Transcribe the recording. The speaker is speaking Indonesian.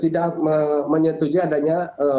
tidak menyetujui adanya